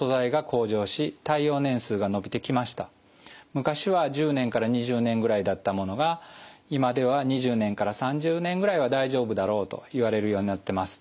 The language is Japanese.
昔は１０年から２０年ぐらいだったものが今では２０年から３０年ぐらいは大丈夫だろうといわれるようになってます。